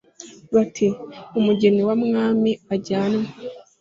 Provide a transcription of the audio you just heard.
ati"umugeni wamwami ajyanwe